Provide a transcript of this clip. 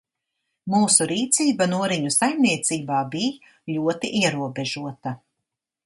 Mūsu rīcība Noriņu saimniecībā bij ļoti ierobežota.